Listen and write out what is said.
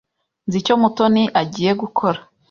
Nzi icyo Mutoni agiye gukora.